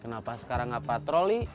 kenapa sekarang gak patroli